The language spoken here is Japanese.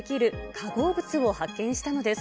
化合物を発見したのです。